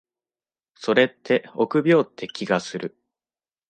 それって臆病って気がする。